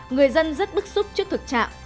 người dân rất bức xúc trước thực trạng